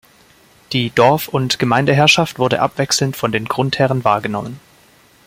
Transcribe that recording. Die Dorf- und Gemeindeherrschaft wurde abwechselnd von den Grundherren wahrgenommen.